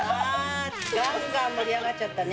ガンガン盛り上がっちゃったね。